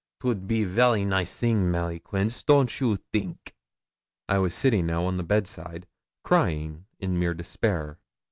'Twould be very nice thing, Mary Queence, don't you think?' I was sitting now on the bedside, crying in mere despair.